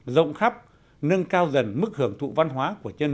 rộng khắp nâng cao dần mức hưởng thụ văn hóa của nhân dân